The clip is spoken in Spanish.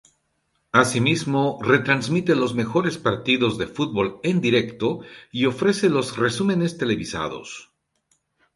Asimismo, retransmite los mejores partidos de fútbol en directo y ofrece los resúmenes televisados.